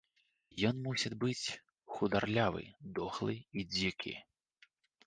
Ён мусіць быць хударлявы, дохлы і дзікі.